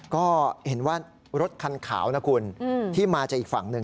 ก็เห็นว่ารถคันขาวนะคุณที่มาจากอีกฝั่งหนึ่ง